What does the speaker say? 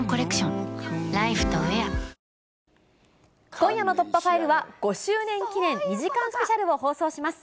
今夜の突破ファイルは、５周年記念２時間スペシャルを放送します。